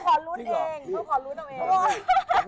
เขาขอรุ้นเองเขาขอรุ้นเองเขาขอรุ้นตัวเอง